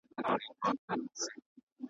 ته وا خوشي په لمنو کي د غرو سوه .